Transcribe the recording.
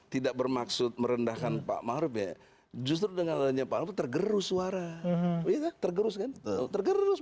tidak bermaksud merendahkan pak mahrub ya justru dengan tanya pak tergerus suara tergerus tergerus